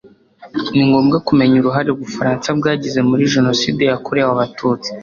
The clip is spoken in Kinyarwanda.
ni ngombwa kumenya uruhare ubufaransa bwagize muri jenoside yakorewe abatutsi